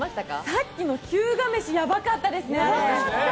さっきのひゅうが飯、やばかったですね。